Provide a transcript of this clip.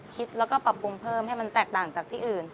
คิดแล้วก็ปรับปรุงเพิ่มให้มันแตกต่างจากที่อื่น